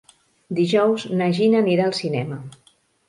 Dijous na Gina anirà al cinema.